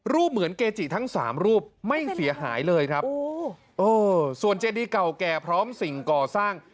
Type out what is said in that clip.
เหมือนเกจิทั้งสามรูปไม่เสียหายเลยครับส่วนเจดีเก่าแก่พร้อมสิ่งก่อสร้าง